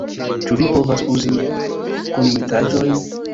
Ĉu vi povas uzi kunmetaĵojn?